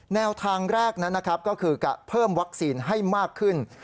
แนวทางแรกนั้นนะครับก็คือจะเพิ่มวัคซีนให้มากขึ้น